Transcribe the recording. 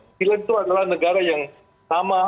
new zealand itu adalah negara yang sama bersahabat